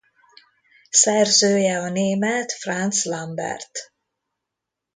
Szerzője a német Franz Lambert.